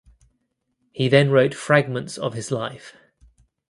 He then wrote fragments of his life.